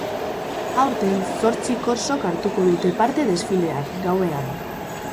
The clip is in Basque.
Aurten, zortzi korsok hartuko dute parte desfilean, gauean.